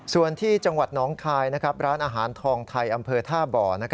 ส่วนที่จังหวัดน้องคายร้านอาหารทองไทยอำเภอท่าบ่อ